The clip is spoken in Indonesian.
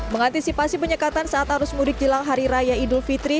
mengantisipasi penyekatan saat arus mudik jelang hari raya idul fitri